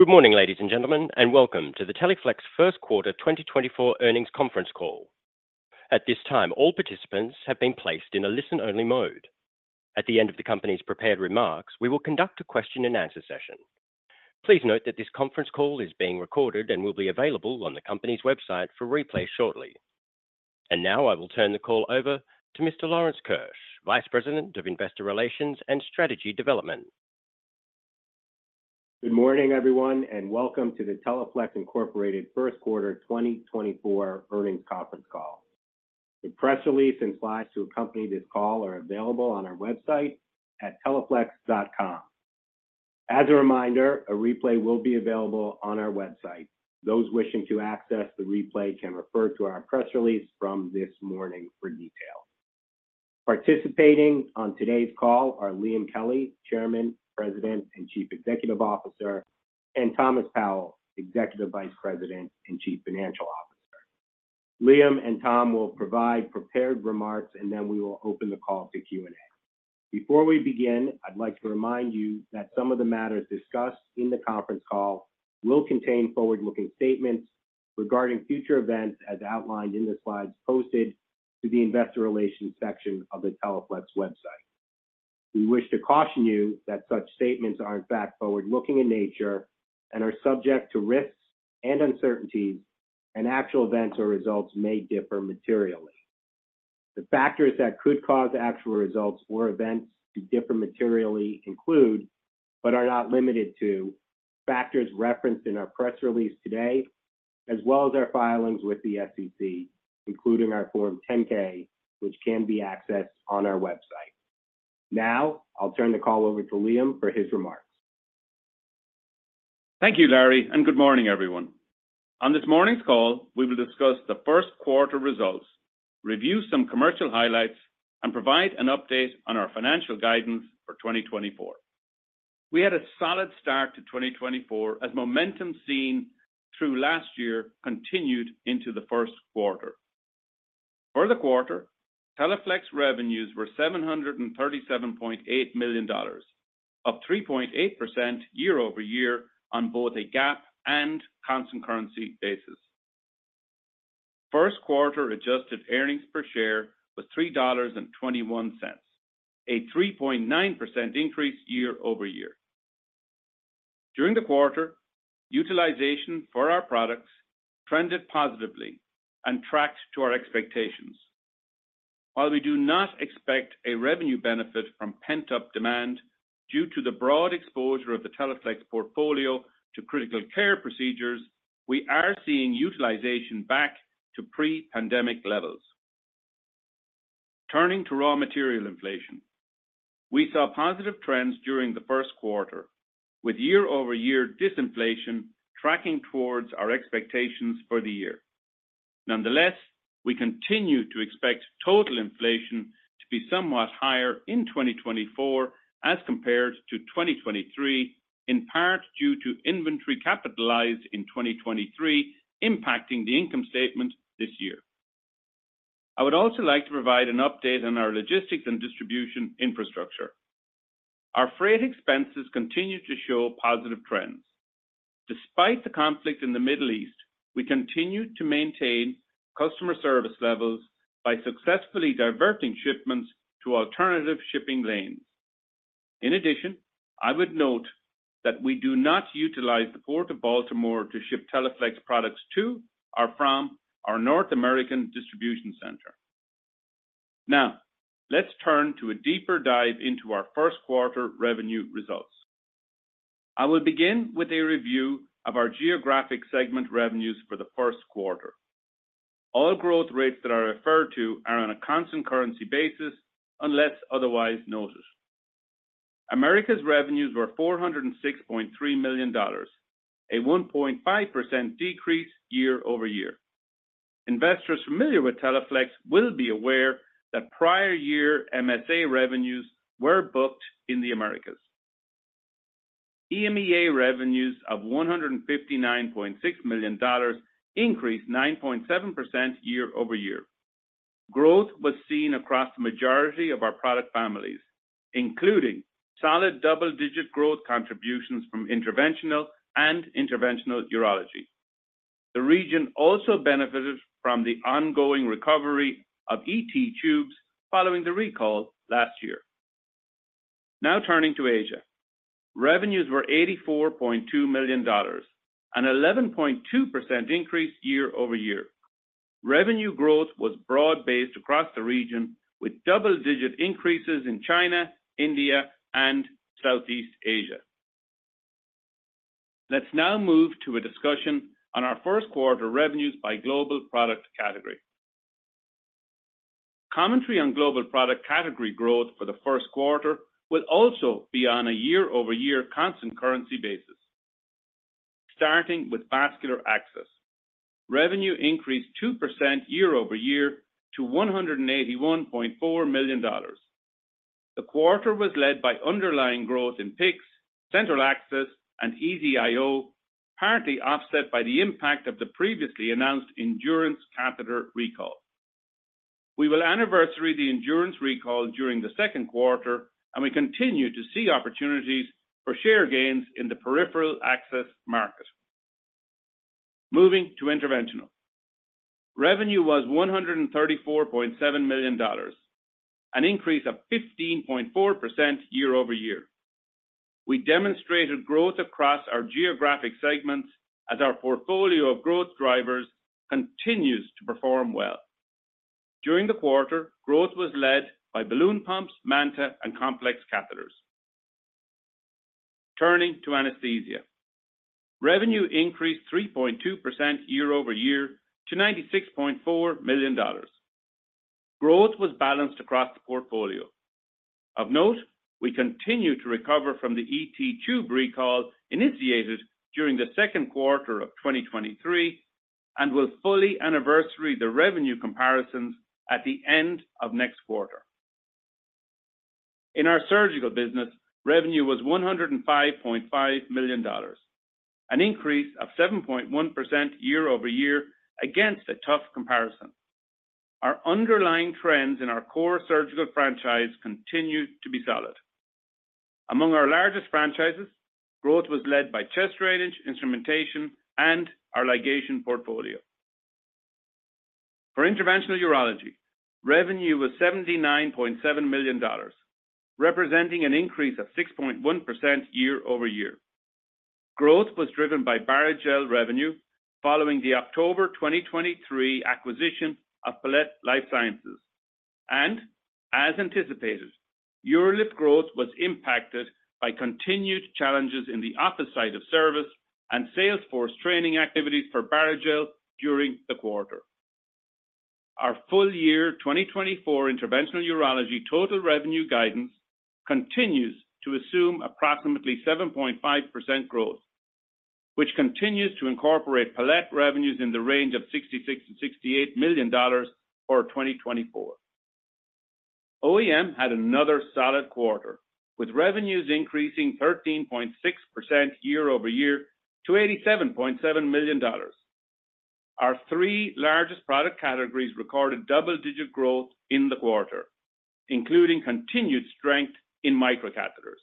Good morning, ladies and gentlemen, and welcome to the Teleflex First Quarter 2024 Earnings Conference Call. At this time, all participants have been placed in a listen-only mode. At the end of the company's prepared remarks, we will conduct a question-and-answer session. Please note that this conference call is being recorded and will be available on the company's website for replay shortly. Now I will turn the call over to Mr. Lawrence Keusch, Vice President of Investor Relations and Strategy Development. Good morning, everyone, and welcome to the Teleflex Incorporated First Quarter 2024 Earnings Conference Call. The press release and slides to accompany this call are available on our website at teleflex.com. As a reminder, a replay will be available on our website. Those wishing to access the replay can refer to our press release from this morning for details. Participating on today's call are Liam Kelly, Chairman, President, and Chief Executive Officer, and Thomas Powell, Executive Vice President and Chief Financial Officer. Liam and Tom will provide prepared remarks, and then we will open the call to Q&A. Before we begin, I'd like to remind you that some of the matters discussed in the conference call will contain forward-looking statements regarding future events as outlined in the slides posted to the Investor Relations section of the Teleflex website. We wish to caution you that such statements are, in fact, forward-looking in nature and are subject to risks and uncertainties, and actual events or results may differ materially. The factors that could cause actual results or events to differ materially include, but are not limited to, factors referenced in our press release today, as well as our filings with the SEC, including our Form 10-K, which can be accessed on our website. Now I'll turn the call over to Liam for his remarks. Thank you, Larry, and good morning, everyone. On this morning's call, we will discuss the first quarter results, review some commercial highlights, and provide an update on our financial guidance for 2024. We had a solid start to 2024 as momentum seen through last year continued into the first quarter. For the quarter, Teleflex revenues were $737.8 million, up 3.8% year-over-year on both a GAAP and constant currency basis. First quarter adjusted earnings per share was $3.21, a 3.9% increase year-over-year. During the quarter, utilization for our products trended positively and tracked to our expectations. While we do not expect a revenue benefit from pent-up demand due to the broad exposure of the Teleflex portfolio to critical care procedures, we are seeing utilization back to pre-pandemic levels. Turning to raw material inflation, we saw positive trends during the first quarter, with year-over-year disinflation tracking towards our expectations for the year. Nonetheless, we continue to expect total inflation to be somewhat higher in 2024 as compared to 2023, in part due to inventory capitalized in 2023 impacting the income statement this year. I would also like to provide an update on our logistics and distribution infrastructure. Our freight expenses continue to show positive trends. Despite the conflict in the Middle East, we continue to maintain customer service levels by successfully diverting shipments to alternative shipping lanes. In addition, I would note that we do not utilize the Port of Baltimore to ship Teleflex products to or from our North American distribution center. Now let's turn to a deeper dive into our first quarter revenue results. I will begin with a review of our geographic segment revenues for the first quarter. All growth rates that are referred to are on a constant currency basis unless otherwise noted. Americas revenues were $406.3 million, a 1.5% decrease year-over-year. Investors familiar with Teleflex will be aware that prior year MSA revenues were booked in the Americas. EMEA revenues of $159.6 million increased 9.7% year-over-year. Growth was seen across the majority of our product families, including solid double-digit growth contributions from interventional and interventional urology. The region also benefited from the ongoing recovery of ET tubes following the recall last year. Now turning to Asia. Revenues were $84.2 million, an 11.2% increase year-over-year. Revenue growth was broad-based across the region, with double-digit increases in China, India, and Southeast Asia. Let's now move to a discussion on our first quarter revenues by global product category. Commentary on global product category growth for the first quarter will also be on a year-over-year constant currency basis. Starting with vascular access, revenue increased 2% year-over-year to $181.4 million. The quarter was led by underlying growth in PICC, central access, and EZ-IO, apparently offset by the impact of the previously announced Endurance catheter recall. We will anniversary the Endurance recall during the second quarter, and we continue to see opportunities for share gains in the peripheral access market. Moving to interventional, revenue was $134.7 million, an increase of 15.4% year-over-year. We demonstrated growth across our geographic segments as our portfolio of growth drivers continues to perform well. During the quarter, growth was led by balloon pumps, MANTA, and complex catheters. Turning to anesthesia, revenue increased 3.2% year-over-year to $96.4 million. Growth was balanced across the portfolio. Of note, we continue to recover from the ET tube recall initiated during the second quarter of 2023 and will fully anniversary the revenue comparisons at the end of next quarter. In our surgical business, revenue was $105.5 million, an increase of 7.1% year-over-year against a tough comparison. Our underlying trends in our core surgical franchise continue to be solid. Among our largest franchises, growth was led by chest drainage, instrumentation, and our ligation portfolio. For interventional urology, revenue was $79.7 million, representing an increase of 6.1% year-over-year. Growth was driven by Barrigel revenue following the October 2023 acquisition of Palette Life Sciences. As anticipated, UroLift growth was impacted by continued challenges in the office site of service and sales force training activities for Barrigel during the quarter. Our full year 2024 interventional urology total revenue guidance continues to assume approximately 7.5% growth, which continues to incorporate Palette revenues in the range of $66-$68 million for 2024. OEM had another solid quarter, with revenues increasing 13.6% year-over-year to $87.7 million. Our three largest product categories recorded double-digit growth in the quarter, including continued strength in microcatheters.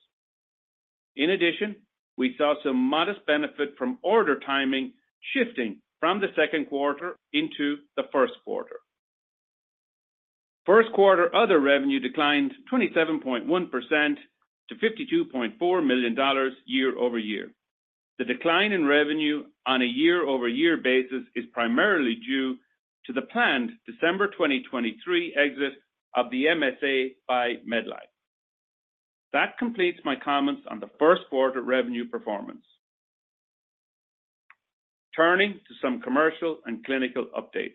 In addition, we saw some modest benefit from order timing shifting from the second quarter into the first quarter. First quarter other revenue declined 27.1% to $52.4 million year-over-year. The decline in revenue on a year-over-year basis is primarily due to the planned December 2023 exit of the MSA by Medline. That completes my comments on the first quarter revenue performance. Turning to some commercial and clinical updates.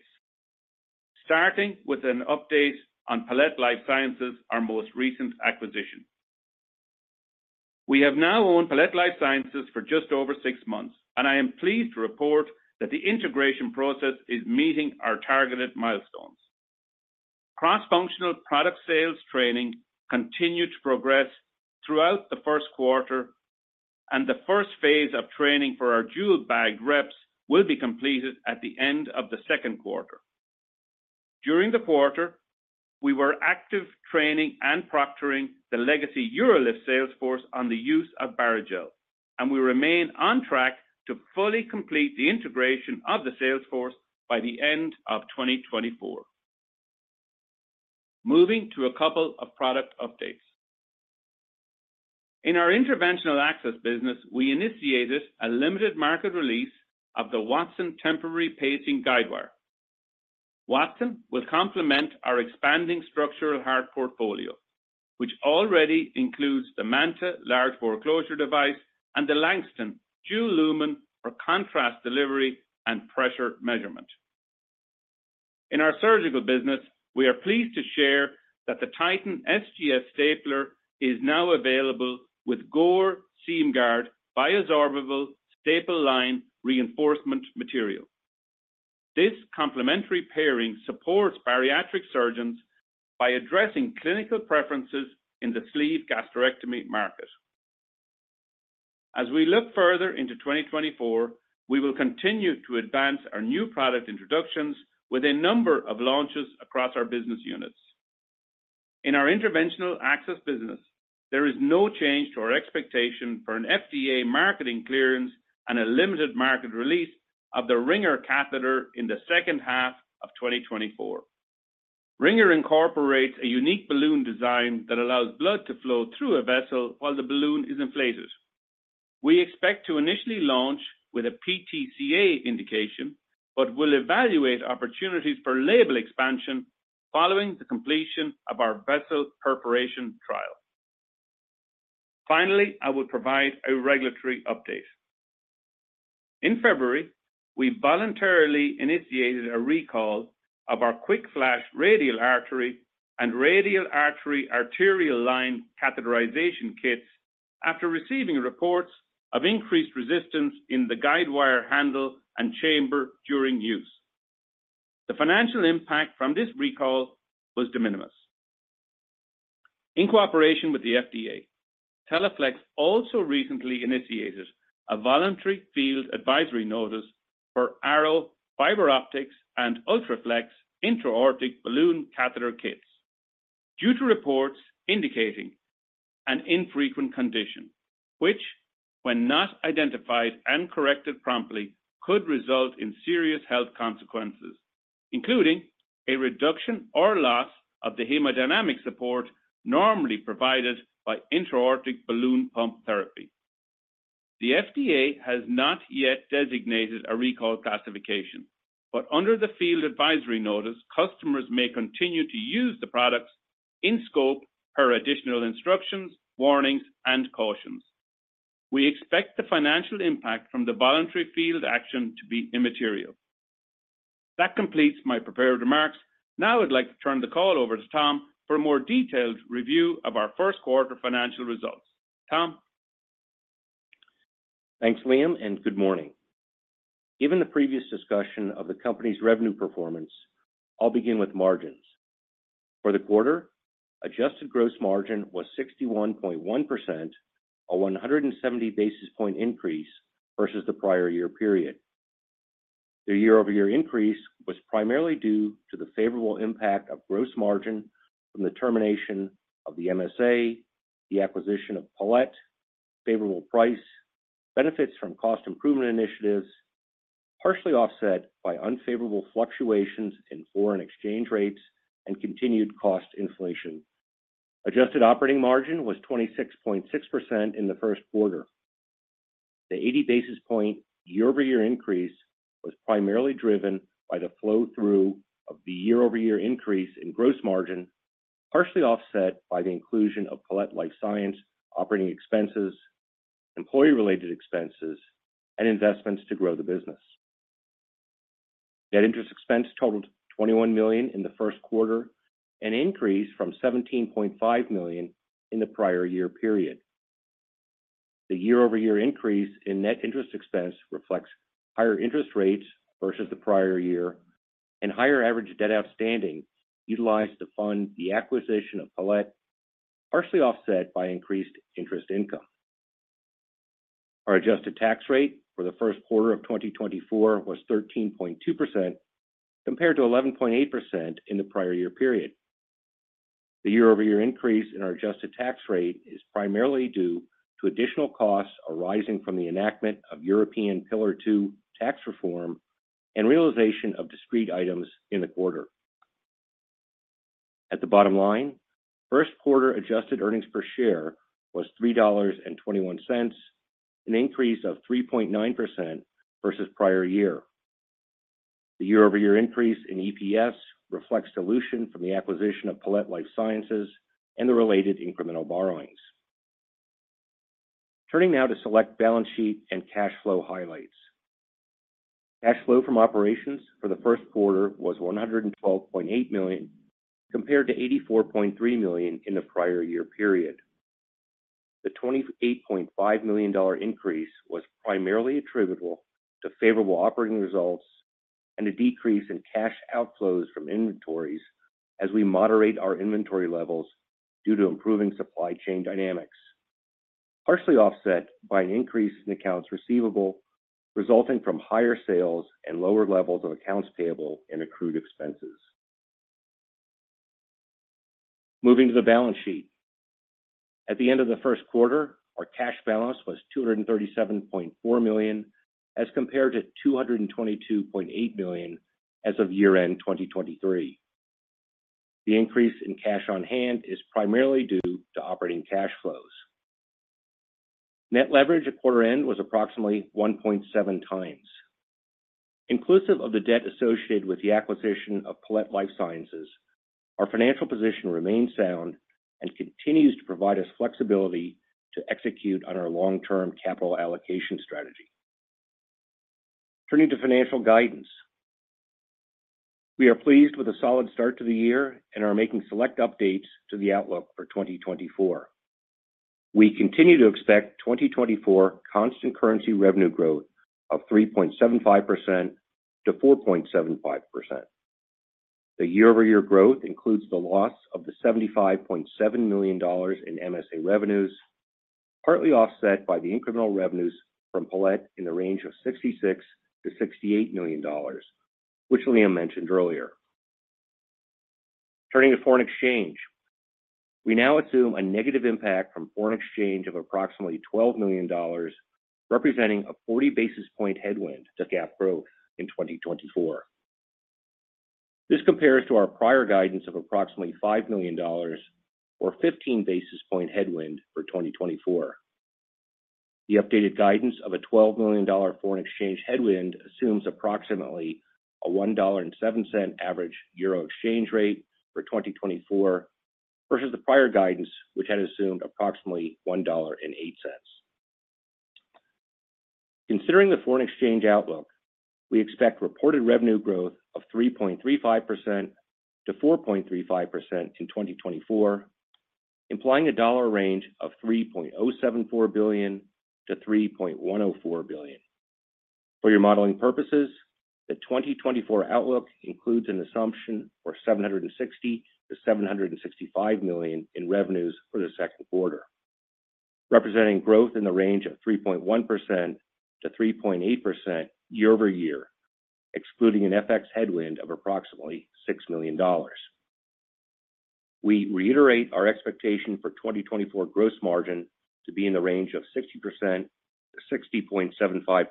Starting with an update on Palette Life Sciences, our most recent acquisition. We have now owned Palette Life Sciences for just over six months, and I am pleased to report that the integration process is meeting our targeted milestones. Cross-functional product sales training continued to progress throughout the first quarter, and the first phase of training for our UroLift reps will be completed at the end of the second quarter. During the quarter, we were active training and proctoring the legacy UroLift sales force on the use of Barrigel, and we remain on track to fully complete the integration of the sales force by the end of 2024. Moving to a couple of product updates. In our interventional access business, we initiated a limited market release of the Wattson temporary pacing guidewire. Wattson will complement our expanding structural heart portfolio, which already includes the MANTA large bore closure device and the Langston Dual Lumen for contrast delivery and pressure measurement. In our surgical business, we are pleased to share that the Titan SGS stapler is now available with GORE SEAMGUARD bioabsorbable staple line reinforcement material. This complementary pairing supports bariatric surgeons by addressing clinical preferences in the sleeve gastrectomy market. As we look further into 2024, we will continue to advance our new product introductions with a number of launches across our business units. In our interventional access business, there is no change to our expectation for an FDA marketing clearance and a limited market release of the Ringer catheter in the second half of 2024. Ringer incorporates a unique balloon design that allows blood to flow through a vessel while the balloon is inflated. We expect to initially launch with a PTCA indication, but will evaluate opportunities for label expansion following the completion of our vessel perforation trial. Finally, I will provide a regulatory update. In February, we voluntarily initiated a recall of our QuickFlash radial artery and radial artery arterial line catheterization kits after receiving reports of increased resistance in the guidewire handle and chamber during use. The financial impact from this recall was de minimis. In cooperation with the FDA, Teleflex also recently initiated a voluntary field advisory notice for Arrow FiberOptix and UltraFlex intra-aortic balloon catheter kits due to reports indicating an infrequent condition, which, when not identified and corrected promptly, could result in serious health consequences, including a reduction or loss of the hemodynamic support normally provided by intra-aortic balloon pump therapy. The FDA has not yet designated a recall classification, but under the field advisory notice, customers may continue to use the products in scope per additional instructions, warnings, and cautions. We expect the financial impact from the voluntary field action to be immaterial. That completes my prepared remarks. Now I'd like to turn the call over to Tom for a more detailed review of our first quarter financial results. Tom. Thanks, Liam, and good morning. Given the previous discussion of the company's revenue performance, I'll begin with margins. For the quarter, adjusted gross margin was 61.1%, a 170 basis points increase versus the prior year period. The year-over-year increase was primarily due to the favorable impact of gross margin from the termination of the MSA, the acquisition of Palette, favorable price, benefits from cost improvement initiatives, partially offset by unfavorable fluctuations in foreign exchange rates and continued cost inflation. Adjusted operating margin was 26.6% in the first quarter. The 80 basis points year-over-year increase was primarily driven by the flow-through of the year-over-year increase in gross margin, partially offset by the inclusion of Palette Life Sciences operating expenses, employee-related expenses, and investments to grow the business. Net interest expense totaled $21 million in the first quarter, an increase from $17.5 million in the prior year period. The year-over-year increase in net interest expense reflects higher interest rates versus the prior year and higher average debt outstanding utilized to fund the acquisition of Palette, partially offset by increased interest income. Our adjusted tax rate for the first quarter of 2024 was 13.2% compared to 11.8% in the prior year period. The year-over-year increase in our adjusted tax rate is primarily due to additional costs arising from the enactment of European Pillar Two tax reform and realization of discrete items in the quarter. At the bottom line, first quarter adjusted earnings per share was $3.21, an increase of 3.9% versus prior year. The year-over-year increase in EPS reflects dilution from the acquisition of Palette Life Sciences and the related incremental borrowings. Turning now to select balance sheet and cash flow highlights. Cash flow from operations for the first quarter was $112.8 million compared to $84.3 million in the prior year period. The $28.5 million increase was primarily attributable to favorable operating results and a decrease in cash outflows from inventories as we moderate our inventory levels due to improving supply chain dynamics, partially offset by an increase in accounts receivable resulting from higher sales and lower levels of accounts payable and accrued expenses. Moving to the balance sheet. At the end of the first quarter, our cash balance was $237.4 million as compared to $222.8 million as of year-end 2023. The increase in cash on hand is primarily due to operating cash flows. Net leverage at quarter end was approximately 1.7x. Inclusive of the debt associated with the acquisition of Palette Life Sciences, our financial position remains sound and continues to provide us flexibility to execute on our long-term capital allocation strategy. Turning to financial guidance. We are pleased with a solid start to the year and are making select updates to the outlook for 2024. We continue to expect 2024 constant currency revenue growth of 3.75%-4.75%. The year-over-year growth includes the loss of the $75.7 million in MSA revenues, partly offset by the incremental revenues from Palette in the range of $66-$68 million, which Liam mentioned earlier. Turning to foreign exchange. We now assume a negative impact from foreign exchange of approximately $12 million, representing a 40 basis point headwind to GAAP growth in 2024. This compares to our prior guidance of approximately $5 million or 15 basis point headwind for 2024. The updated guidance of a $12 million foreign exchange headwind assumes approximately a $1.07 average euro exchange rate for 2024 versus the prior guidance, which had assumed approximately $1.08. Considering the foreign exchange outlook, we expect reported revenue growth of 3.35%-4.35% in 2024, implying a dollar range of $3.074 billion-$3.104 billion. For your modeling purposes, the 2024 outlook includes an assumption for 760-765 million in revenues for the second quarter, representing growth in the range of 3.1%-3.8% year-over-year, excluding an FX headwind of approximately $6 million. We reiterate our expectation for 2024 gross margin to be in the range of 60%-60.75%.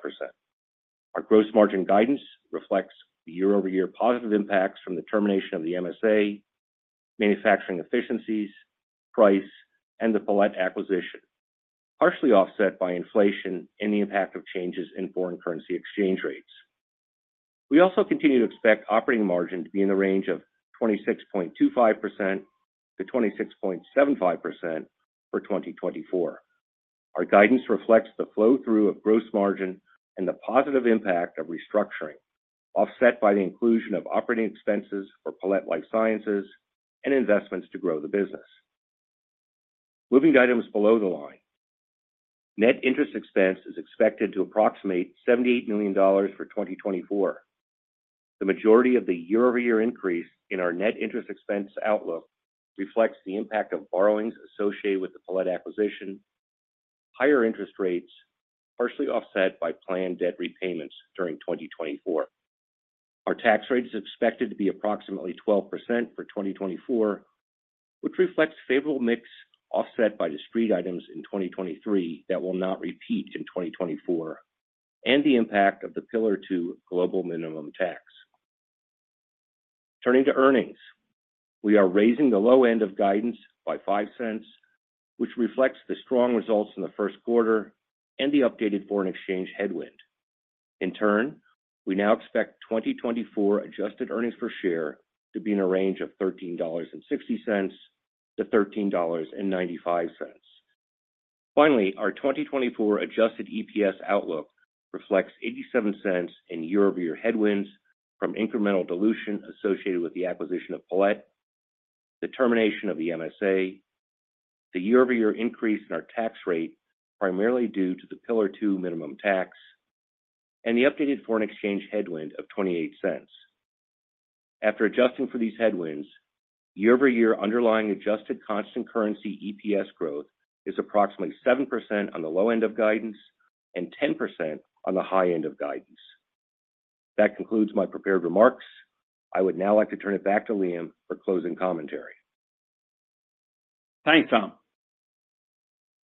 Our gross margin guidance reflects the year-over-year positive impacts from the termination of the MSA, manufacturing efficiencies, price, and the Palette acquisition, partially offset by inflation and the impact of changes in foreign currency exchange rates. We also continue to expect operating margin to be in the range of 26.25%-26.75% for 2024. Our guidance reflects the flow-through of gross margin and the positive impact of restructuring, offset by the inclusion of operating expenses for Palette Life Sciences and investments to grow the business. Moving items below the line. Net interest expense is expected to approximate $78 million for 2024. The majority of the year-over-year increase in our net interest expense outlook reflects the impact of borrowings associated with the Palette acquisition, higher interest rates partially offset by planned debt repayments during 2024. Our tax rate is expected to be approximately 12% for 2024, which reflects favorable mix offset by discrete items in 2023 that will not repeat in 2024 and the impact of the Pillar Two global minimum tax. Turning to earnings. We are raising the low end of guidance by $0.05, which reflects the strong results in the first quarter and the updated foreign exchange headwind. In turn, we now expect 2024 adjusted earnings per share to be in the range of $13.60-$13.95. Finally, our 2024 adjusted EPS outlook reflects $0.87 in year-over-year headwinds from incremental dilution associated with the acquisition of Palette, the termination of the MSA, the year-over-year increase in our tax rate primarily due to the Pillar Two minimum tax, and the updated foreign exchange headwind of $0.28. After adjusting for these headwinds, year-over-year underlying adjusted constant currency EPS growth is approximately 7% on the low end of guidance and 10% on the high end of guidance. That concludes my prepared remarks. I would now like to turn it back to Liam for closing commentary. Thanks, Tom.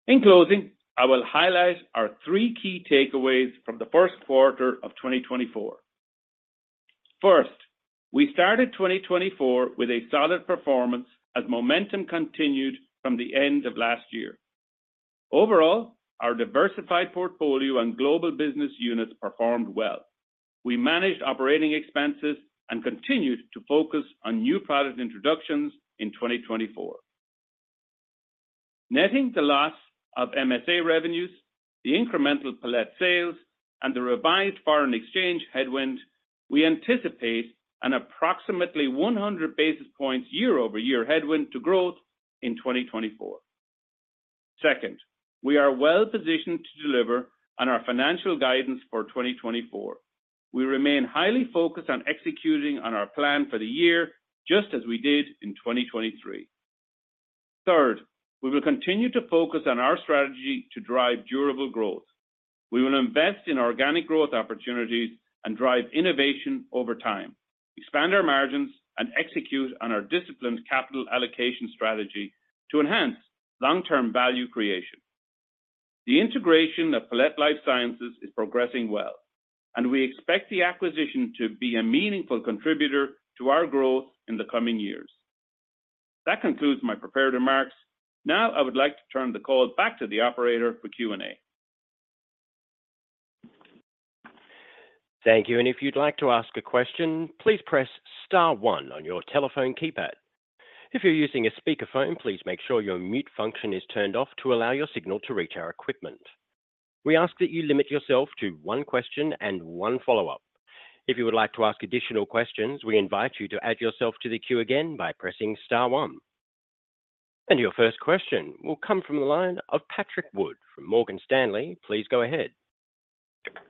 In closing, I will highlight our 3 key takeaways from the first quarter of 2024. First, we started 2024 with a solid performance as momentum continued from the end of last year. Overall, our diversified portfolio and global business units performed well. We managed operating expenses and continued to focus on new product introductions in 2024. Netting the loss of MSA revenues, the incremental Palette sales, and the revised foreign exchange headwind, we anticipate an approximately 100 basis points year-over-year headwind to growth in 2024. Second, we are well positioned to deliver on our financial guidance for 2024. We remain highly focused on executing on our plan for the year just as we did in 2023. Third, we will continue to focus on our strategy to drive durable growth. We will invest in organic growth opportunities and drive innovation over time, expand our margins, and execute on our disciplined capital allocation strategy to enhance long-term value creation. The integration of Palette Life Sciences is progressing well, and we expect the acquisition to be a meaningful contributor to our growth in the coming years. That concludes my prepared remarks. Now I would like to turn the call back to the operator for Q&A. Thank you. If you'd like to ask a question, please press star one on your telephone keypad. If you're using a speakerphone, please make sure your mute function is turned off to allow your signal to reach our equipment. We ask that you limit yourself to one question and one follow-up. If you would like to ask additional questions, we invite you to add yourself to the queue again by pressing star one. Your first question will come from the line of Patrick Wood from Morgan Stanley. Please go ahead.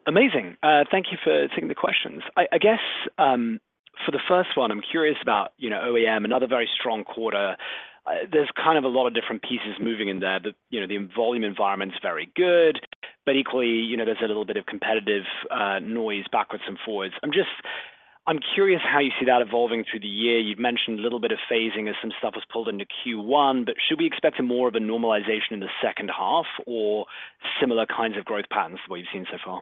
Amazing. Thank you for taking the questions. I guess for the first one, I'm curious about OEM and other very strong quarter. There's kind of a lot of different pieces moving in there. The volume environment's very good, but equally, there's a little bit of competitive noise backwards and forwards. I'm curious how you see that evolving through the year. You've mentioned a little bit of phasing as some stuff was pulled into Q1, but should we expect more of a normalization in the second half or similar kinds of growth patterns to what you've seen so far?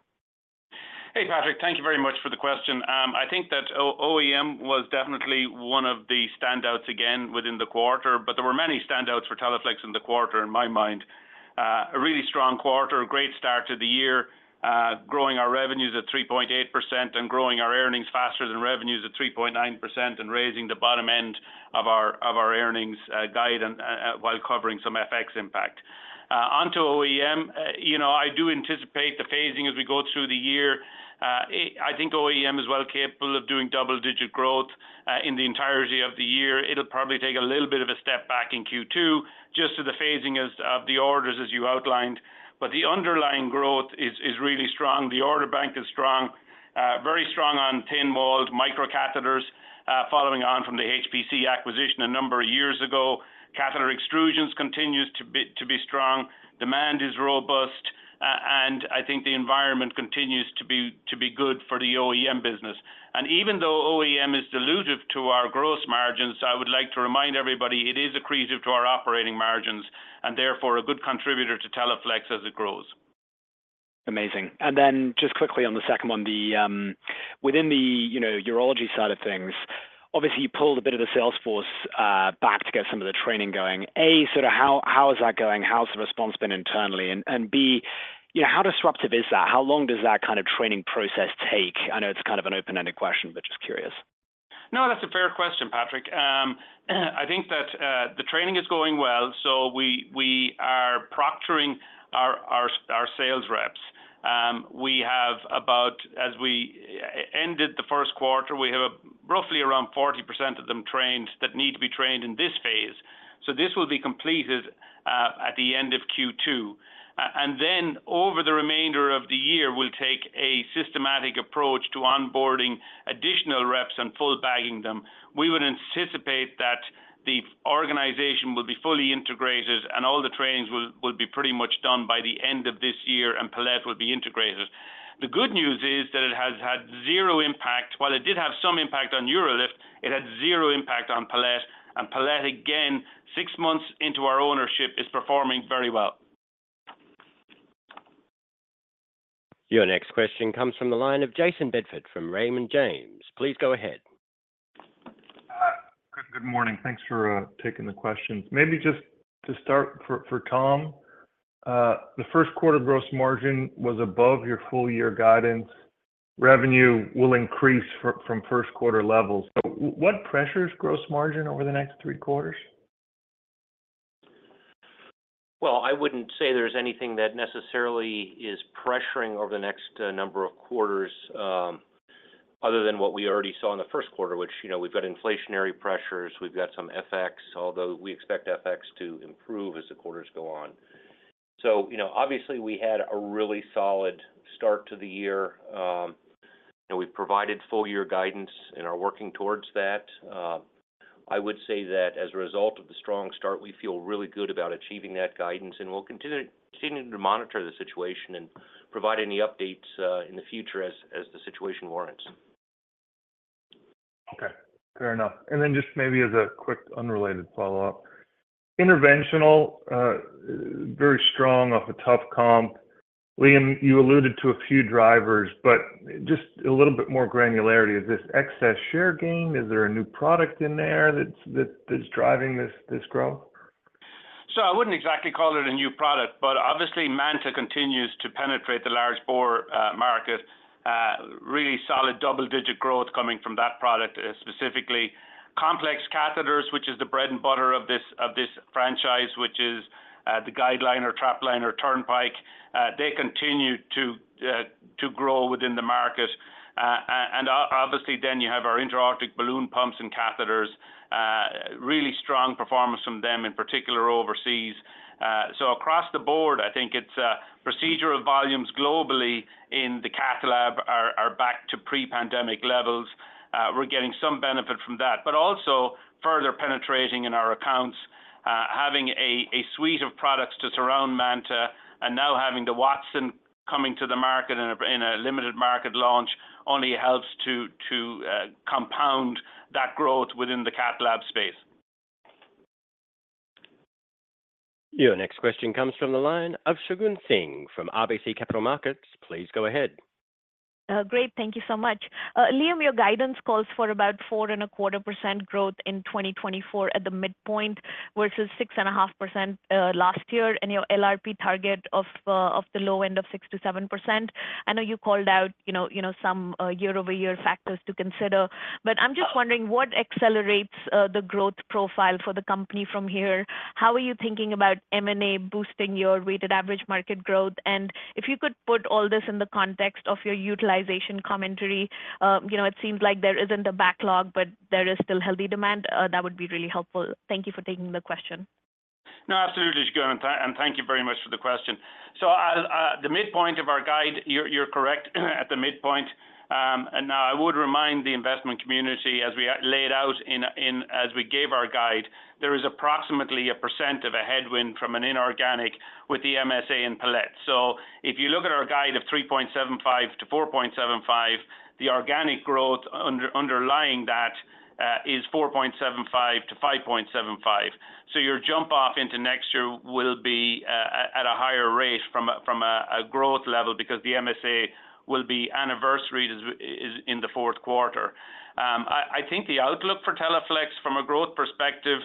Hey, Patrick. Thank you very much for the question. I think that OEM was definitely one of the standouts again within the quarter, but there were many standouts for Teleflex in the quarter, in my mind. A really strong quarter, great start to the year, growing our revenues at 3.8% and growing our earnings faster than revenues at 3.9% and raising the bottom end of our earnings guide while covering some FX impact. Onto OEM. I do anticipate the phasing as we go through the year. I think OEM is well capable of doing double-digit growth in the entirety of the year. It'll probably take a little bit of a step back in Q2 just to the phasing of the orders as you outlined. But the underlying growth is really strong. The order bank is strong, very strong on thin-walled microcatheters following on from the HPC acquisition a number of years ago. Catheter extrusions continues to be strong. Demand is robust, and I think the environment continues to be good for the OEM business. And even though OEM is dilutive to our gross margins, I would like to remind everybody it is accretive to our operating margins and therefore a good contributor to Teleflex as it grows. Amazing. And then just quickly on the second one, within the urology site of things, obviously, you pulled a bit of the sales force back to get some of the training going. A, sort of how is that going? How's the response been internally? And B, how disruptive is that? How long does that kind of training process take? I know it's kind of an open-ended question, but just curious. No, that's a fair question, Patrick. I think that the training is going well. We are proctoring our sales reps. We have about as we ended the first quarter, we have roughly around 40% of them trained that need to be trained in this phase. This will be completed at the end of Q2. Then over the remainder of the year, we'll take a systematic approach to onboarding additional reps and full bagging them. We would anticipate that the organization will be fully integrated and all the trainings will be pretty much done by the end of this year and Palette will be integrated. The good news is that it has had zero impact. While it did have some impact on UroLift, it had zero impact on Palette. Palette, again, six months into our ownership, is performing very well. Your next question comes from the line of Jayson Bedford from Raymond James. Please go ahead. Good morning. Thanks for taking the questions. Maybe just to start for Tom, the first quarter gross margin was above your full-year guidance. Revenue will increase from first-quarter levels. What pressures gross margin over the next three quarters? Well, I wouldn't say there's anything that necessarily is pressuring over the next number of quarters other than what we already saw in the first quarter, which we've got inflationary pressures. We've got some FX, although we expect FX to improve as the quarters go on. So obviously, we had a really solid start to the year. We provided full-year guidance and are working towards that. I would say that as a result of the strong start, we feel really good about achieving that guidance. And we'll continue to monitor the situation and provide any updates in the future as the situation warrants. Okay. Fair enough. And then just maybe as a quick unrelated follow-up, interventional, very strong off a tough comp. Liam, you alluded to a few drivers, but just a little bit more granularity. Is this excess share gain? Is there a new product in there that's driving this growth? So I wouldn't exactly call it a new product, but obviously, MANTA continues to penetrate the large bore market. Really solid double-digit growth coming from that product, specifically complex catheters, which is the bread and butter of this franchise, which is the GuideLiner or TrapLiner or Turnpike. They continue to grow within the market. And obviously, then you have our intra-aortic balloon pumps and catheters, really strong performance from them in particular overseas. So across the board, I think it's procedure volumes globally in the catalog are back to pre-pandemic levels. We're getting some benefit from that, but also further penetrating in our accounts, having a suite of products to surround MANTA, and now having the Wattson coming to the market in a limited market launch only helps to compound that growth within the catalog space. Your next question comes from the line of Shagun Singh from RBC Capital Markets. Please go ahead. Great. Thank you so much. Liam, your guidance calls for about 4.25% growth in 2024 at the midpoint versus 6.5% last year and your LRP target of the low end of 6%-7%. I know you called out some year-over-year factors to consider, but I'm just wondering what accelerates the growth profile for the company from here. How are you thinking about M&A boosting your weighted average market growth? And if you could put all this in the context of your utilization commentary, it seems like there isn't a backlog, but there is still healthy demand. That would be really helpful. Thank you for taking the question. No, absolutely, Shagun. And thank you very much for the question. So the midpoint of our guide, you're correct at the midpoint. And now I would remind the investment community, as we laid out as we gave our guide, there is approximately 1% of a headwind from an inorganic with the MSA and Palette. So if you look at our guide of 3.75%-4.75%, the organic growth underlying that is 4.75%-5.75%. So your jump-off into next year will be at a higher rate from a growth level because the MSA will be anniversary in the fourth quarter. I think the outlook for Teleflex from a growth perspective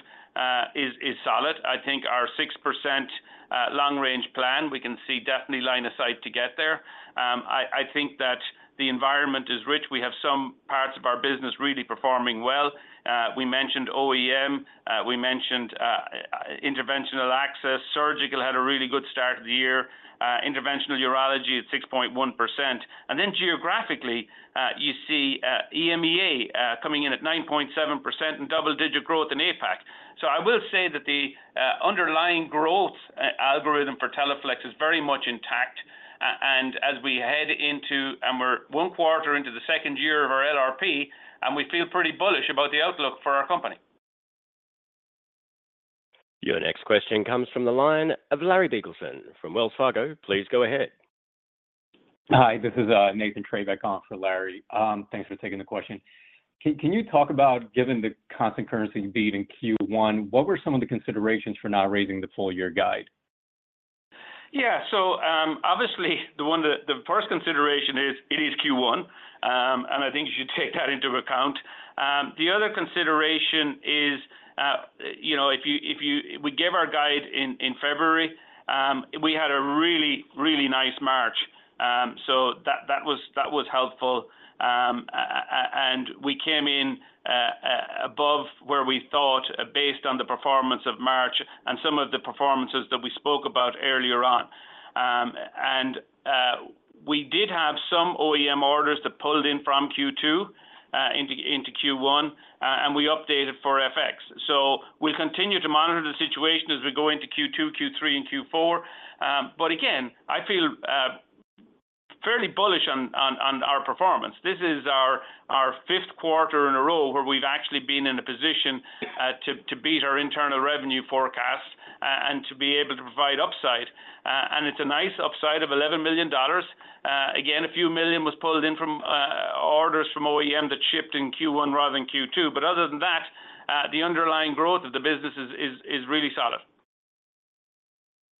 is solid. I think our 6% long-range plan, we can see definitely line of sight to get there. I think that the environment is rich. We have some parts of our business really performing well. We mentioned OEM. We mentioned interventional access. Surgical had a really good start of the year. Interventional urology at 6.1%. And then geographically, you see EMEA coming in at 9.7% and double-digit growth in APAC. So I will say that the underlying growth algorithm for Teleflex is very much intact. And as we head into and we're one quarter into the second year of our LRP, and we feel pretty bullish about the outlook for our company. Your next question comes from the line of Larry Biegelsen from Wells Fargo. Please go ahead. Hi, this is Nathan Treybeck for Larry. Thanks for taking the question. Can you talk about, given the constant currency beat in Q1, what were some of the considerations for not raising the full-year guide? Yeah. So obviously, the first consideration is it is Q1, and I think you should take that into account. The other consideration is if we gave our guide in February, we had a really, really nice March. So that was helpful. And we came in above where we thought based on the performance of March and some of the performances that we spoke about earlier on. And we did have some OEM orders that pulled in from Q2 into Q1, and we updated for FX. So we'll continue to monitor the situation as we go into Q2, Q3, and Q4. But again, I feel fairly bullish on our performance. This is our fifth quarter in a row where we've actually been in a position to beat our internal revenue forecasts and to be able to provide upside. And it's a nice upside of $11 million. Again, a few million was pulled in from orders from OEM that shipped in Q1 rather than Q2. But other than that, the underlying growth of the business is really solid.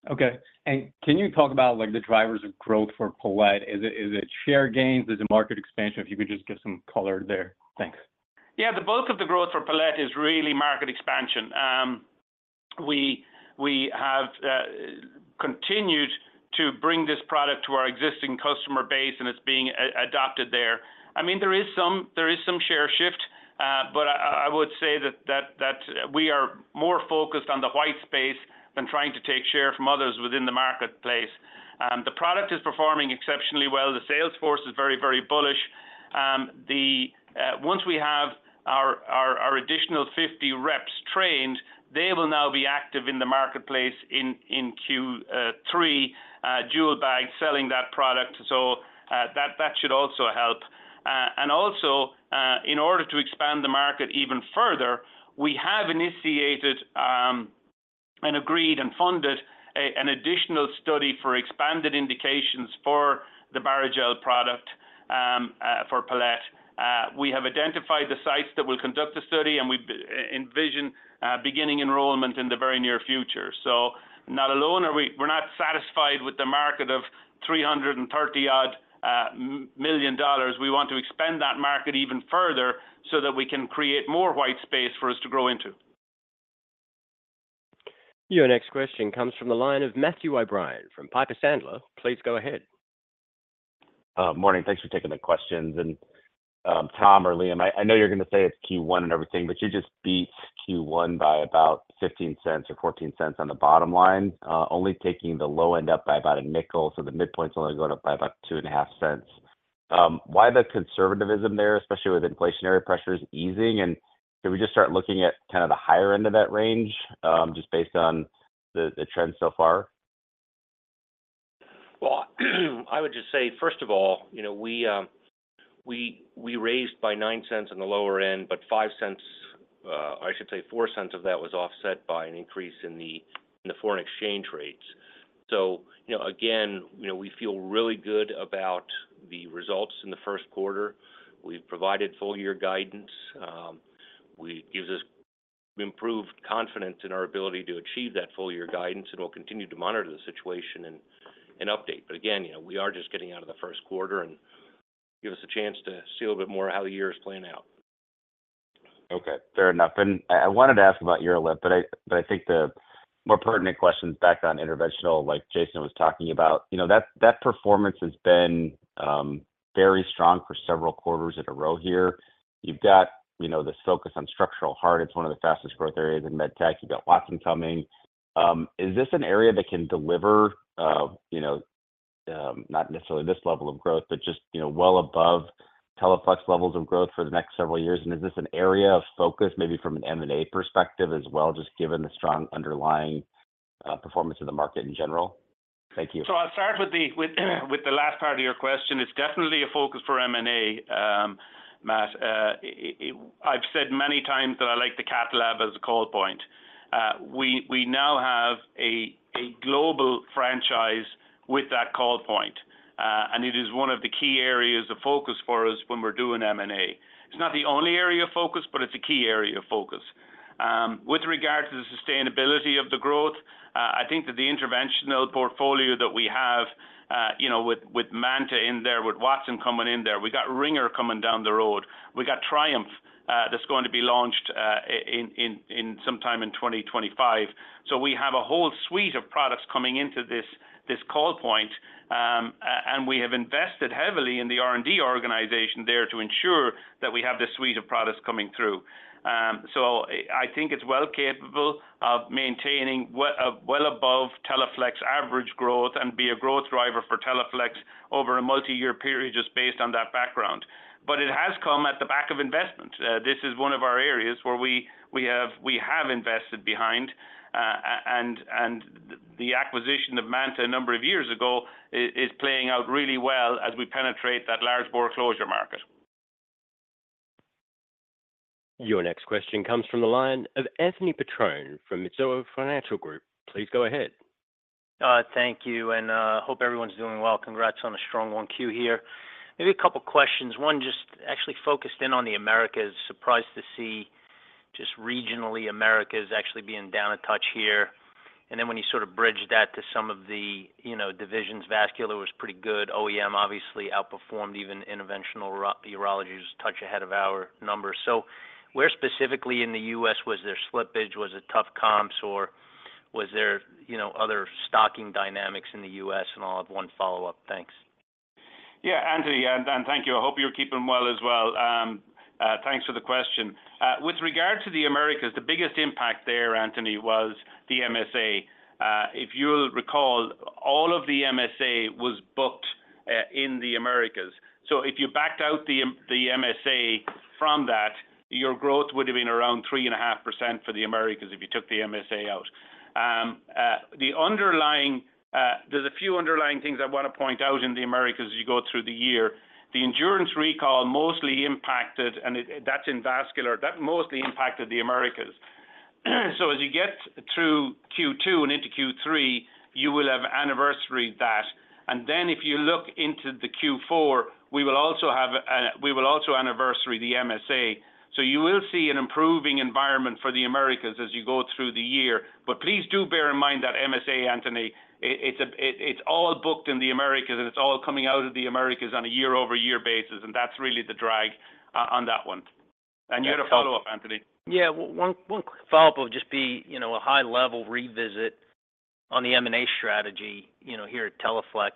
Okay. Can you talk about the drivers of growth for Palette? Is it share gains? Is it market expansion? If you could just give some color there. Thanks. Yeah. The bulk of the growth for Palette is really market expansion. We have continued to bring this product to our existing customer base, and it's being adopted there. I mean, there is some share shift, but I would say that we are more focused on the white space than trying to take share from others within the marketplace. The product is performing exceptionally well. The sales force is very, very bullish. Once we have our additional 50 reps trained, they will now be active in the marketplace in Q3, dual bagged, selling that product. So that should also help. And also, in order to expand the market even further, we have initiated and agreed and funded an additional study for expanded indications for the Barrigel product for Palette. We have identified the sites that will conduct the study, and we envision beginning enrollment in the very near future. Not alone, we're not satisfied with the market of $330-odd million. We want to expand that market even further so that we can create more white space for us to grow into. Your next question comes from the line of Matthew O'Brien from Piper Sandler. Please go ahead. Morning. Thanks for taking the questions. Tom or Liam, I know you're going to say it's Q1 and everything, but you just beat Q1 by about $0.15 or $0.14 on the bottom line, only taking the low end up by about $0.05. So the midpoint's only going up by about $0.025. Why the conservatism there, especially with inflationary pressures easing? Could we just start looking at kind of the higher end of that range just based on the trend so far? Well, I would just say, first of all, we raised by $0.09 on the lower end, but $0.05 or I should say $0.04 of that was offset by an increase in the foreign exchange rates. So again, we feel really good about the results in the first quarter. We've provided full-year guidance. It gives us improved confidence in our ability to achieve that full-year guidance, and we'll continue to monitor the situation and update. But again, we are just getting out of the first quarter. And give us a chance to see a little bit more how the year is playing out. Okay. Fair enough. And I wanted to ask about UroLift, but I think the more pertinent questions back on interventional, like Jason was talking about, that performance has been very strong for several quarters in a row here. You've got this focus on structural heart. It's one of the fastest growth areas in MedTech. You've got Wattson coming. Is this an area that can deliver not necessarily this level of growth, but just well above Teleflex levels of growth for the next several years? And is this an area of focus maybe from an M&A perspective as well, just given the strong underlying performance of the market in general? Thank you. So I'll start with the last part of your question. It's definitely a focus for M&A, Matt. I've said many times that I like the catalog as a call point. We now have a global franchise with that call point. And it is one of the key areas of focus for us when we're doing M&A. It's not the only area of focus, but it's a key area of focus. With regard to the sustainability of the growth, I think that the interventional portfolio that we have with MANTA in there, with Wattson coming in there, we got Ringer coming down the road. We got Triumph that's going to be launched sometime in 2025. So we have a whole suite of products coming into this call point. And we have invested heavily in the R&D organization there to ensure that we have this suite of products coming through. I think it's well capable of maintaining well above Teleflex average growth and be a growth driver for Teleflex over a multi-year period just based on that background. It has come at the back of investment. This is one of our areas where we have invested behind. The acquisition of MANTA a number of years ago is playing out really well as we penetrate that large bore closure market. Your next question comes from the line of Anthony Petrone from Mizuho Financial Group. Please go ahead. Thank you. Hope everyone's doing well. Congrats on a strong Q1 here. Maybe a couple of questions. One just actually focused in on the Americas. Surprised to see just regionally Americas actually being down a touch here. And then when you sort of bridged that to some of the divisions, vascular was pretty good. OEM, obviously, outperformed even interventional urology was a touch ahead of our numbers. So where specifically in the U.S. was there slippage? Was it tough comps, or was there other stocking dynamics in the U.S.? And I'll have one follow-up. Thanks. Yeah, Anthony. Thank you. I hope you're keeping well as well. Thanks for the question. With regard to the Americas, the biggest impact there, Anthony, was the MSA. If you'll recall, all of the MSA was booked in the Americas. So if you backed out the MSA from that, your growth would have been around 3.5% for the Americas if you took the MSA out. There's a few underlying things I want to point out in the Americas as you go through the year. The Endurance recall mostly impacted, and that's in vascular. That mostly impacted the Americas. So as you get through Q2 and into Q3, you will have anniversary that. And then if you look into the Q4, we will also anniversary the MSA. So you will see an improving environment for the Americas as you go through the year. But please do bear in mind that MSA, Anthony, it's all booked in the Americas, and it's all coming out of the Americas on a year-over-year basis. And that's really the drag on that one. And you had a follow-up, Anthony. Yeah. One follow-up would just be a high-level revisit on the M&A strategy here at Teleflex.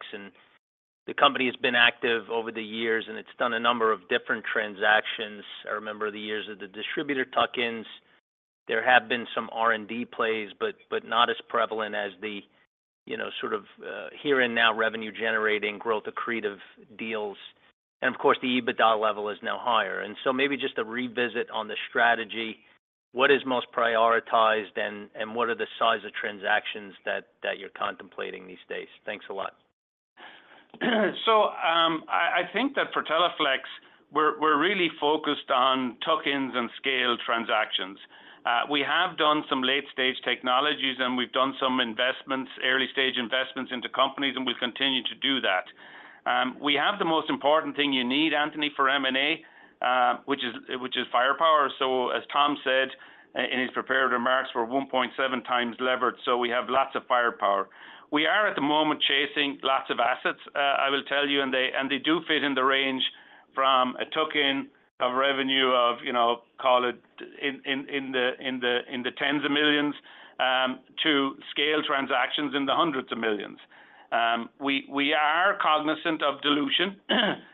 The company has been active over the years, and it's done a number of different transactions. I remember the years of the distributor tuck-ins. There have been some R&D plays, but not as prevalent as the sort of here-and-now revenue-generating, growth-accretive deals. Of course, the EBITDA level is now higher. So maybe just a revisit on the strategy. What is most prioritized, and what are the size of transactions that you're contemplating these days? Thanks a lot. So I think that for Teleflex, we're really focused on tuck-ins and scale transactions. We have done some late-stage technologies, and we've done some early-stage investments into companies, and we'll continue to do that. We have the most important thing you need, Anthony, for M&A, which is firepower. So as Tom said in his preparatory remarks, we're 1.7x leveraged. So we have lots of firepower. We are at the moment chasing lots of assets, I will tell you. And they do fit in the range from a tuck-in of revenue of, call it, in the $10s of millions to scale transactions in the $100s of millions. We are cognizant of dilution,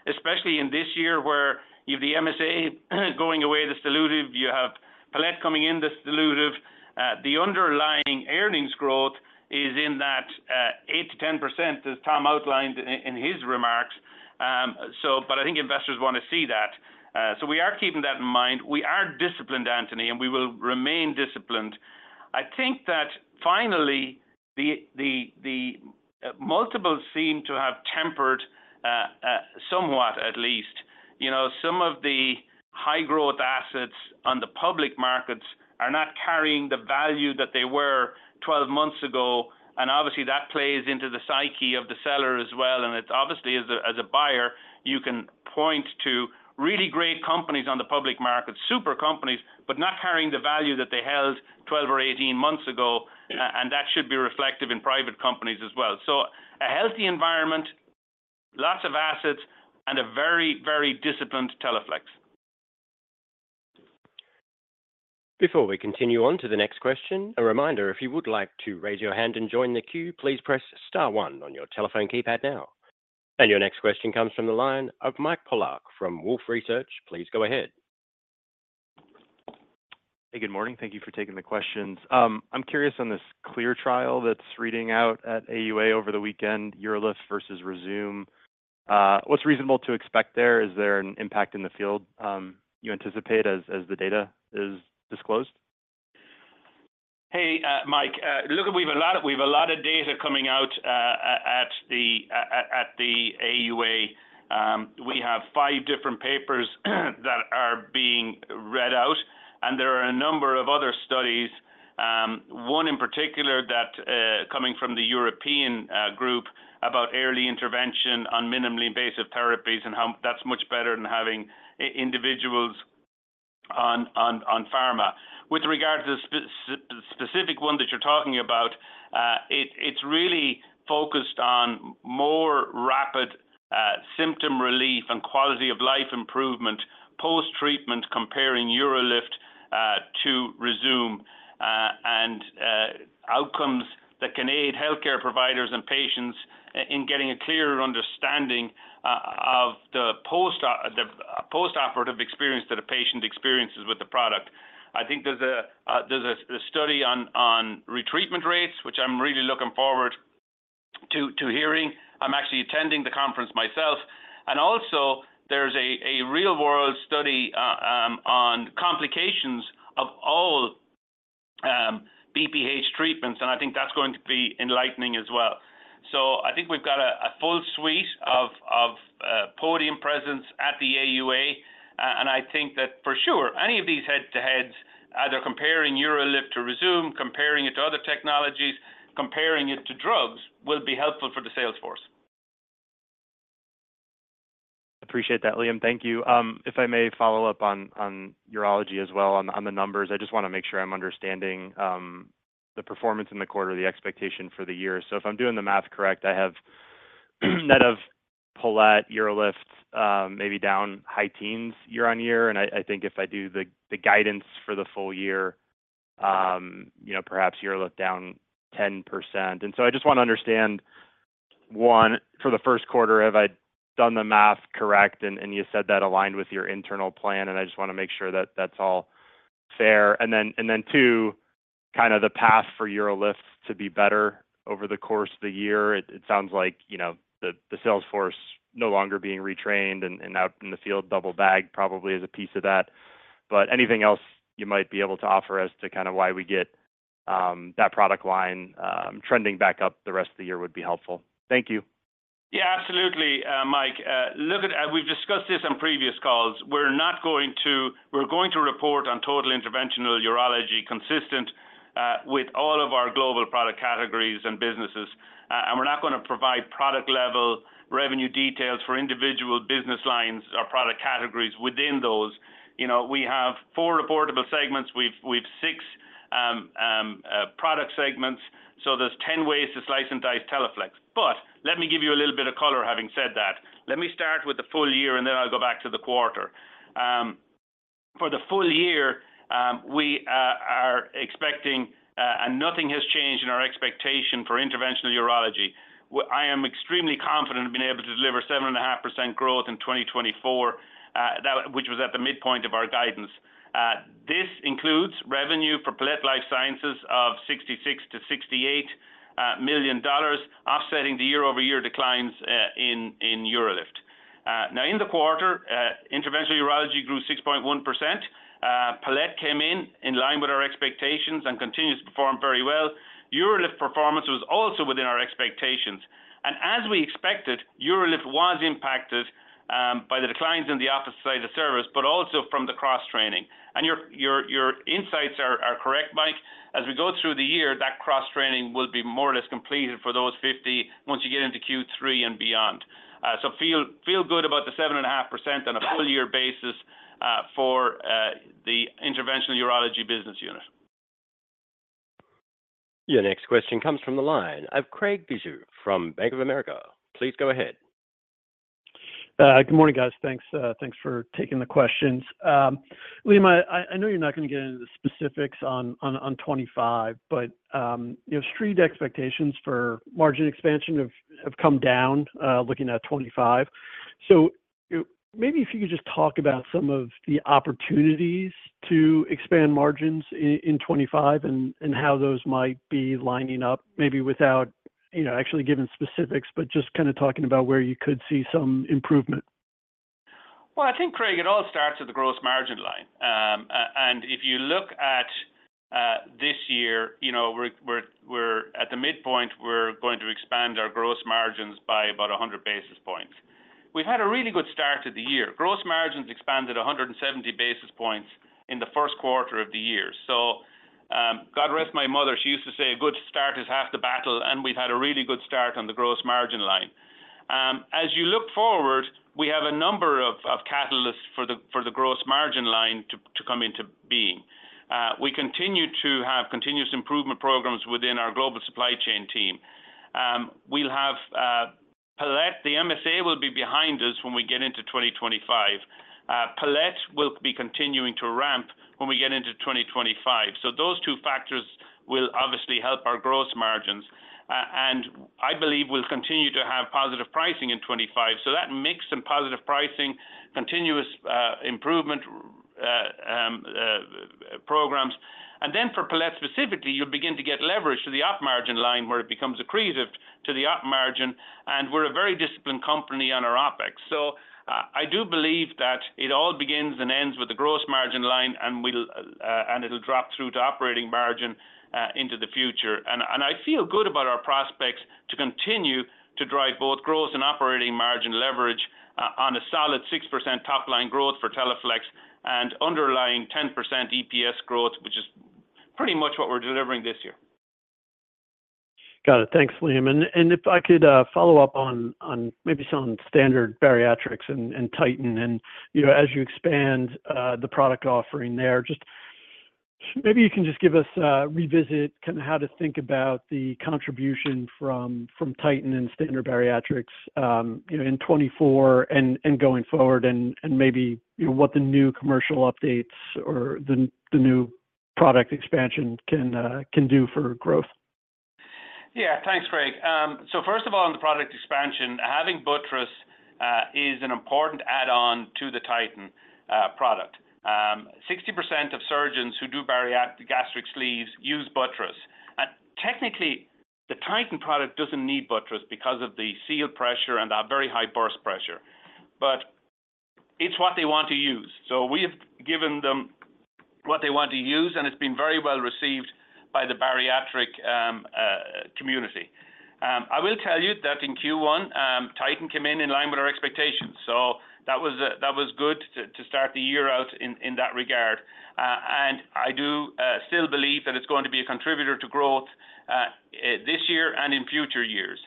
especially in this year where you have the MSA going away that's dilutive. You have Palette coming in that's dilutive. The underlying earnings growth is in that 8%-10%, as Tom outlined in his remarks. But I think investors want to see that. So we are keeping that in mind. We are disciplined, Anthony, and we will remain disciplined. I think that finally, the multiples seem to have tempered somewhat, at least. Some of the high-growth assets on the public markets are not carrying the value that they were 12 months ago. And obviously, that plays into the psyche of the seller as well. And obviously, as a buyer, you can point to really great companies on the public markets, super companies, but not carrying the value that they held 12 or 18 months ago. And that should be reflective in private companies as well. So a healthy environment, lots of assets, and a very, very disciplined Teleflex. Before we continue on to the next question, a reminder, if you would like to raise your hand and join the Q, please press star one on your telephone keypad now. And your next question comes from the line of Mike Polark from Wolfe Research. Please go ahead. Hey, good morning. Thank you for taking the questions. I'm curious on this CLEAR trial that's reading out at AUA over the weekend, UroLift versus Rezūm. What's reasonable to expect there? Is there an impact in the field you anticipate as the data is disclosed? Hey, Mike. Look, we've a lot of data coming out at the AUA. We have five different papers that are being read out. There are a number of other studies, one in particular coming from the European group about early intervention on minimally invasive therapies and how that's much better than having individuals on pharma. With regard to the specific one that you're talking about, it's really focused on more rapid symptom relief and quality of life improvement post-treatment comparing UroLift to Rezūm and outcomes that can aid healthcare providers and patients in getting a clearer understanding of the post-operative experience that a patient experiences with the product. I think there's a study on retreatment rates, which I'm really looking forward to hearing. I'm actually attending the conference myself. Also, there's a real-world study on complications of all BPH treatments. And I think that's going to be enlightening as well. So I think we've got a full suite of podium presence at the AUA. And I think that for sure, any of these head-to-heads, either comparing UroLift to Rezūm, comparing it to other technologies, comparing it to drugs, will be helpful for the sales force. Appreciate that, Liam. Thank you. If I may follow up on urology as well, on the numbers, I just want to make sure I'm understanding the performance in the quarter, the expectation for the year. So if I'm doing the math correct, I have net of Palette, UroLift maybe down high teens% year-over-year. And I think if I do the guidance for the full year, perhaps UroLift down 10%. And so I just want to understand, one, for the first quarter, have I done the math correct? And you said that aligned with your internal plan. And I just want to make sure that that's all fair. And then two, kind of the path for UroLift to be better over the course of the year. It sounds like the sales force no longer being retrained and out in the field, double bag, probably is a piece of that. But anything else you might be able to offer as to kind of why we get that product line trending back up the rest of the year would be helpful. Thank you. Yeah, absolutely, Mike. We've discussed this on previous calls. We're not going to report on total interventional urology consistent with all of our global product categories and businesses. And we're not going to provide product-level revenue details for individual business lines or product categories within those. We have four reportable segments. We've six product segments. So there's 10 ways to slice Teleflex. But let me give you a little bit of color, having said that. Let me start with the full year, and then I'll go back to the quarter. For the full year, we are expecting, and nothing has changed in our expectation for interventional urology. I am extremely confident in being able to deliver 7.5% growth in 2024, which was at the midpoint of our guidance. This includes revenue for Palette Life Sciences of $66 million-$68 million, offsetting the year-over-year declines in UroLift. Now, in the quarter, interventional urology grew 6.1%. Palette came in in line with our expectations and continues to perform very well. UroLift performance was also within our expectations. And as we expected, UroLift was impacted by the declines in the office-site of service, but also from the cross-training. And your insights are correct, Mike. As we go through the year, that cross-training will be more or less completed for those 50 once you get into Q3 and beyond. So feel good about the 7.5% on a full-year basis for the interventional urology business unit. Your next question comes from the line of Craig Bijou from Bank of America. Please go ahead. Good morning, guys. Thanks for taking the questions. Liam, I know you're not going to get into the specifics on 2025, but Street expectations for margin expansion have come down looking at 2025. So maybe if you could just talk about some of the opportunities to expand margins in 2025 and how those might be lining up, maybe without actually giving specifics, but just kind of talking about where you could see some improvement. Well, I think, Craig, it all starts at the gross margin line. And if you look at this year, we're at the midpoint where we're going to expand our gross margins by about 100 basis points. We've had a really good start to the year. Gross margins expanded 170 basis points in the first quarter of the year. So God rest my mother, she used to say, "A good start is half the battle." And we've had a really good start on the gross margin line. As you look forward, we have a number of catalysts for the gross margin line to come into being. We continue to have continuous improvement programs within our global supply chain team. We'll have Palette. The MSA will be behind us when we get into 2025. Palette will be continuing to ramp when we get into 2025. So those two factors will obviously help our gross margins. And I believe we'll continue to have positive pricing in 2025. So that mix and positive pricing, continuous improvement programs. And then for Palette specifically, you'll begin to get leverage to the top margin line where it becomes accretive to the top margin. And we're a very disciplined company on our OpEx. So I do believe that it all begins and ends with the gross margin line, and it'll drop through to operating margin into the future. And I feel good about our prospects to continue to drive both gross and operating margin leverage on a solid 6% top-line growth for Teleflex and underlying 10% EPS growth, which is pretty much what we're delivering this year. Got it. Thanks, Liam. If I could follow up on maybe some Standard Bariatrics and Titan and as you expand the product offering there, maybe you can just give us a revisit kind of how to think about the contribution from Titan and Standard Bariatrics in 2024 and going forward and maybe what the new commercial updates or the new product expansion can do for growth. Yeah. Thanks, Craig. So first of all, on the product expansion, having buttress is an important add-on to the Titan product. 60% of surgeons who do gastric sleeves use buttress. And technically, the Titan product doesn't need buttress because of the seal pressure and that very high burst pressure. But it's what they want to use. So we have given them what they want to use, and it's been very well received by the bariatric community. I will tell you that in Q1, Titan came in in line with our expectations. So that was good to start the year out in that regard. And I do still believe that it's going to be a contributor to growth this year and in future years.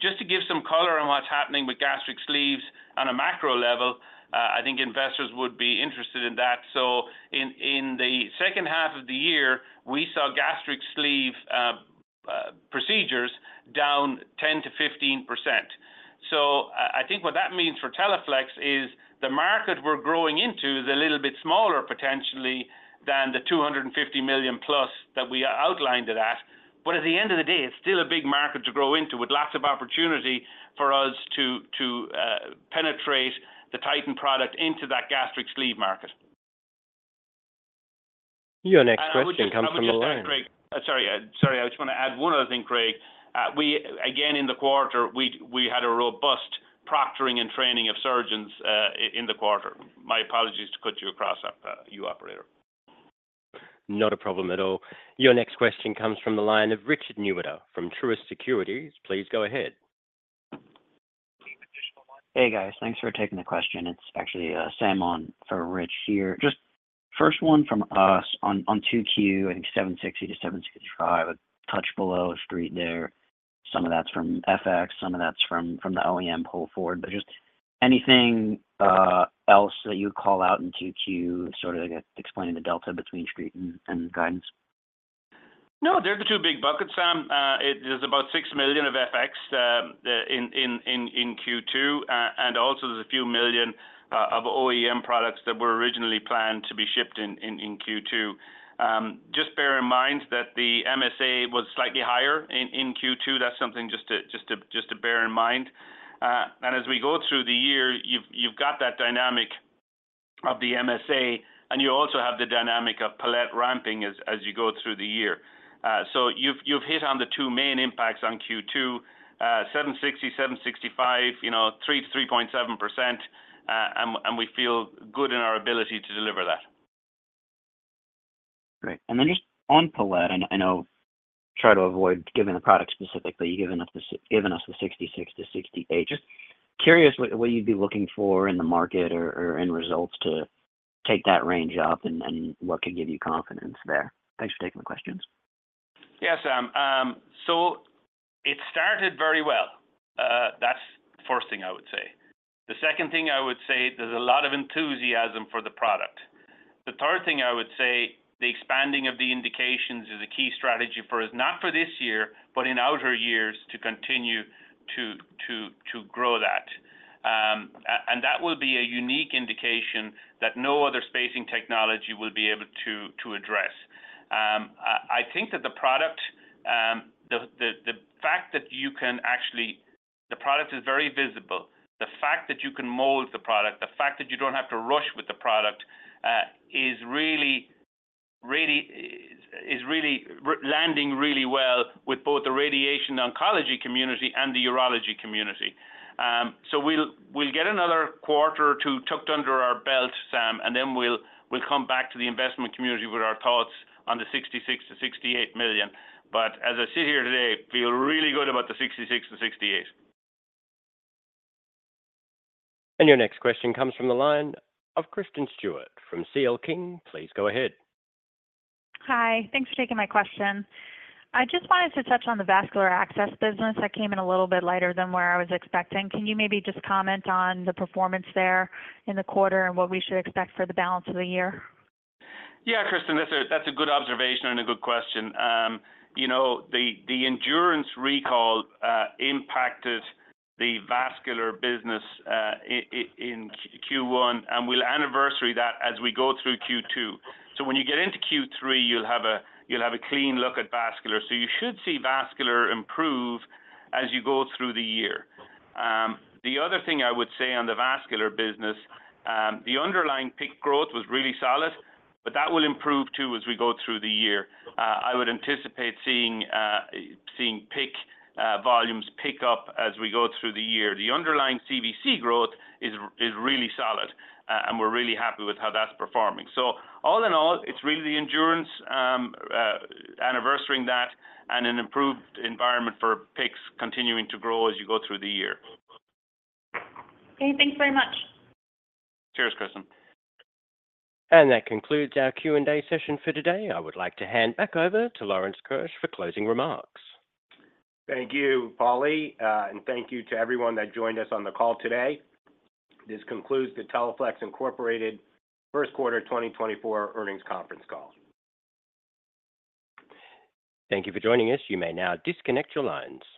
Just to give some color on what's happening with gastric sleeves on a macro level, I think investors would be interested in that. So in the second half of the year, we saw gastric sleeve procedures down 10%-15%. So I think what that means for Teleflex is the market we're growing into is a little bit smaller, potentially, than the $250 million-plus that we outlined it at. But at the end of the day, it's still a big market to grow into with lots of opportunity for us to penetrate the Titan product into that gastric sleeve market. Your next question comes from the line. Sorry. Sorry. I just want to add one other thing, Craig. Again, in the quarter, we had a robust proctoring and training of surgeons in the quarter. My apologies to cut you off, operator. Not a problem at all. Your next question comes from the line of Richard Newitter from Truist Securities. Please go ahead. Hey, guys. Thanks for taking the question. It's actually Sam on for Rich here. Just first one from us on 2Q, I think 760-765, a touch below Street there. Some of that's from FX. Some of that's from the OEM pull forward. But just anything else that you would call out in 2Q sort of explaining the delta between Street and guidance? No, they're the two big buckets, Sam. There's about $6 million of FX in Q2. Also, there's a few million of OEM products that were originally planned to be shipped in Q2. Just bear in mind that the MSA was slightly higher in Q2. That's something just to bear in mind. As we go through the year, you've got that dynamic of the MSA, and you also have the dynamic of Palette ramping as you go through the year. So you've hit on the two main impacts on Q2, 760, 765, 3%-3.7%. And we feel good in our ability to deliver that. Great. And then just on Palette, and I know try to avoid giving the product specifically, you've given us the 66-68. Just curious what you'd be looking for in the market or in results to take that range up and what could give you confidence there. Thanks for taking the questions. Yeah, Sam. So it started very well. That's the first thing I would say. The second thing I would say, there's a lot of enthusiasm for the product. The third thing I would say, the expanding of the indications is a key strategy for us, not for this year, but in outer years to continue to grow that. And that will be a unique indication that no other spacing technology will be able to address. I think that the product, the fact that you can actually the product is very visible. The fact that you can mold the product, the fact that you don't have to rush with the product is really landing really well with both the radiation oncology community and the urology community. So we'll get another quarter or two tucked under our belt, Sam, and then we'll come back to the investment community with our thoughts on the $66-$68 million. But as I sit here today, feel really good about the $66-$68. Your next question comes from the line of Kristen Stewart from CL King. Please go ahead. Hi. Thanks for taking my question. I just wanted to touch on the vascular access business. That came in a little bit lighter than where I was expecting. Can you maybe just comment on the performance there in the quarter and what we should expect for the balance of the year? Yeah, Kristen. That's a good observation and a good question. The Endurance recall impacted the vascular business in Q1, and we'll anniversary that as we go through Q2. So when you get into Q3, you'll have a clean look at vascular. So you should see vascular improve as you go through the year. The other thing I would say on the vascular business, the underlying PICC growth was really solid, but that will improve too as we go through the year. I would anticipate seeing PICC volumes pick up as we go through the year. The underlying CVC growth is really solid, and we're really happy with how that's performing. So all in all, it's really the Endurance anniversarying that and an improved environment for PICCs continuing to grow as you go through the year. Okay. Thanks very much. Cheers, Kristen. That concludes our Q&A session for today. I would like to hand back over to Lawrence Keusch for closing remarks. Thank you, Polly. Thank you to everyone that joined us on the call today. This concludes the Teleflex Incorporated First Quarter 2024 Earnings Conference Call. Thank you for joining us. You may now disconnect your lines.